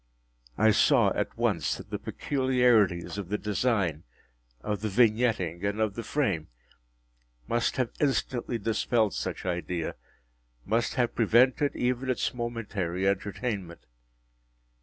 I saw at once that the peculiarities of the design, of the vignetting, and of the frame, must have instantly dispelled such idea—must have prevented even its momentary entertainment.